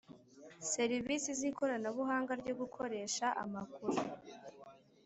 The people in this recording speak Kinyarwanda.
Serivisi z ikoranabuhanga ryo gukoresha amakuru